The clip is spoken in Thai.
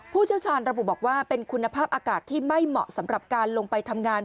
เชี่ยวชาญระบุบอกว่าเป็นคุณภาพอากาศที่ไม่เหมาะสำหรับการลงไปทำงาน